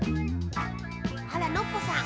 あらノッポさん。